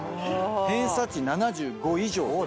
偏差値７５以上。